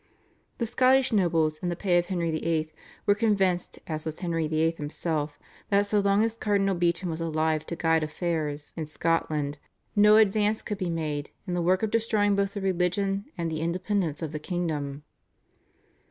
The Scottish nobles in the pay of Henry VIII. were convinced, as was Henry VIII. himself, that so long as Cardinal Beaton was alive to guide affairs in Scotland no advance could be made in the work of destroying both the religion and the independence of the kingdom.